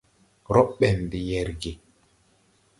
Rɔ́b ɓɛ̀n de yɛrgɛ̀.